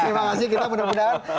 terima kasih kita